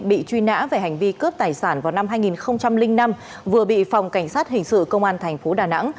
bị truy nã về hành vi cướp tài sản vào năm hai nghìn năm vừa bị phòng cảnh sát hình sự công an thành phố đà nẵng